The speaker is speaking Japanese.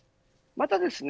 またですね